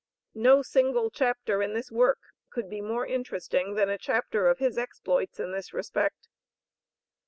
No single chapter in this work could be more interesting than a chapter of his exploits in this respect.